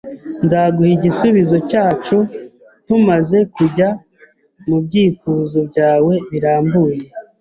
Nzaguha igisubizo cyacu tumaze kujya mubyifuzo byawe birambuye